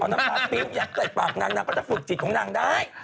น้ำตาปี๊บอยากใส่ปากนางนางก็จะฝึกจิตของนางได้